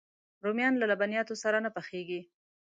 رومیان له لبنیاتو سره نه پخېږي